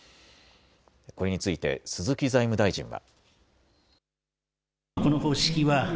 これについて鈴木財務大臣は。